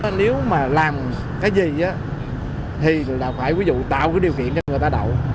nếu mà làm cái gì thì là phải ví dụ tạo cái điều kiện cho người ta đậu